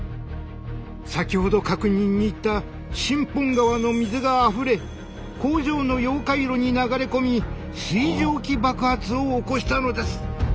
先ほど確認に行った新本川の水があふれ工場の溶解炉に流れ込み水蒸気爆発を起こしたのです。